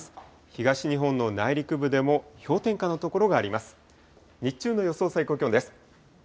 東日本の内陸部でも氷点下の所があります。